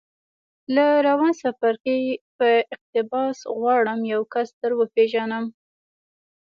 له روان څپرکي په اقتباس غواړم یو کس در وپېژنم